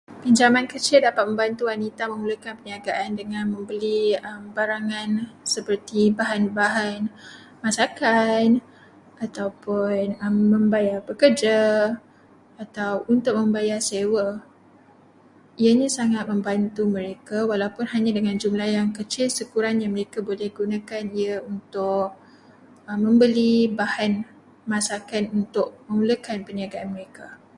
Pinjaman kecil dapat membantu wanita memulakan perniagaan dengan membeli barangan seperti bahan-bahan masakan, ataupun membayar pekerja, atau untuk membayar sewa. Ianya sangat membantu mereka walaupun hanya dengan jumlah yang kecil, sekurangnya mereka boleh gunakan ia untuk membeli bahan masakan untuk memulakan perniagaan mereka.